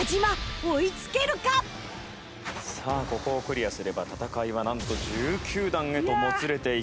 さあここをクリアすれば戦いはなんと１９段へともつれていく事になります。